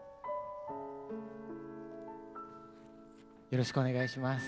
よろしくお願いします。